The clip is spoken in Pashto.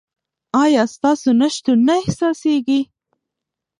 ایا ستاسو نشتون نه احساسیږي؟